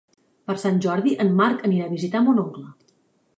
Per Sant Jordi en Marc anirà a visitar mon oncle.